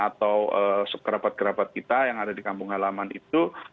atau sekerabat kerabat kita yang ada di kampung halaman itu